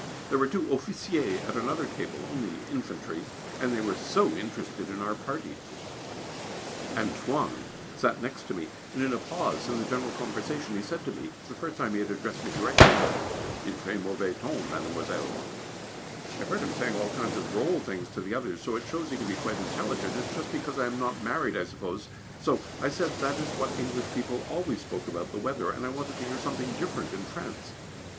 There were two officiers at another table (only infantry), and they were so interested in our party. [Sidenote: Close Quarters] "Antoine" sat next to me, and in a pause in the general conversation he said to me (it is the first time he has addressed me directly), "Il fait mauvais temps, mademoiselle." I have heard him saying all kinds of drôle things to the others, so it shows he can be quite intelligent. It is just because I am not married I suppose, so I said that is what English people always spoke about the weather and I wanted to hear something different in France.